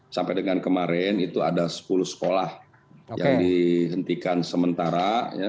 sampai dengan kemarin itu ada sepuluh sekolah yang dihentikan sementara